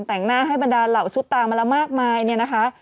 แต่งหน้าให้บรรดาเหล่าซุปตามาแล้วมากมายเนี่ยนะคะ